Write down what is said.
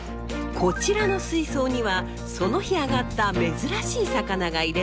こちらの水槽にはその日あがった珍しい魚が入れられます。